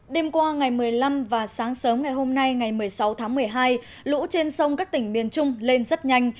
đêm qua ngày một mươi năm và sáng sớm ngày hôm nay ngày một mươi sáu tháng một mươi hai lũ trên sông các tỉnh miền trung lên rất nhanh